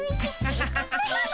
ハハハハハ。